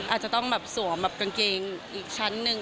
อาจจะต้องสวมกางเกงอีกชั้นนึง